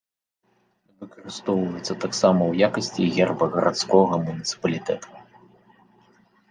Выкарыстоўваецца таксама ў якасці герба гарадскога муніцыпалітэта.